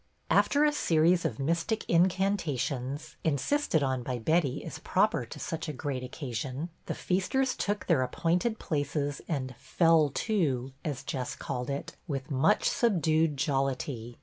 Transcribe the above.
After a series of mystic incantations, in sisted on by Betty as proper to such a great occasion, the feasters took their appointed places and "fell to" (as Jess called it) with much subdued jollity.